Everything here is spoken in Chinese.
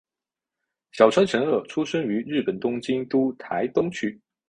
小川诚二出生于日本东京都台东区。